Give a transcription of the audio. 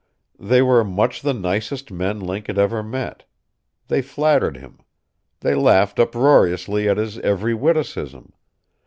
They were much the nicest men Link had ever met. They flattered him. They laughed uproariously at his every witticism.